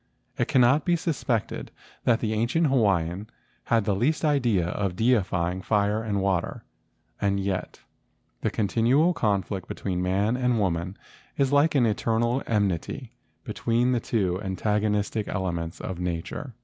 It cannot be suspected that the ancient Hawaiian had the least idea of deifying fire and water—and yet the continual conflict * Pule anaana. INTRODUCTION xm between man and woman is like the eternal enmity between the two antagonistic elements of nature.